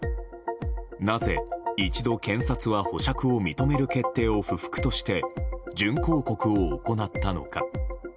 なぜ一度、検察は保釈を認める決定を不服として準抗告を行ったのか。